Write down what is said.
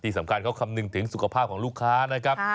สำคัญเขาคำนึงถึงสุขภาพของลูกค้านะครับ